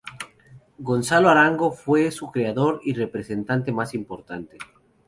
Gonzalo Arango fue su creador y representante más importante.